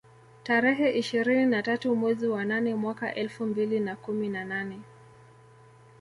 Tarehe ishirini na tatu mwezi wa nane mwaka elfu mbili na kumi na nane